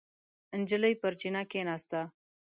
نجلۍ پر چینه کېناسته.